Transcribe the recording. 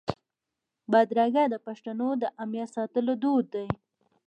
بدرګه د پښتنو د امنیت ساتلو دود دی.